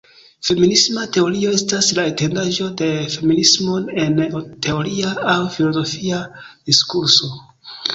Feminisma teorio estas la etendaĵo de feminismo en teoria aŭ filozofia diskurso.